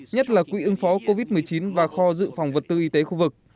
nhất là quỹ ứng phó covid một mươi chín và kho dự phòng vật tư y tế khu vực